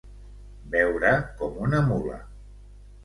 Beure com una mula.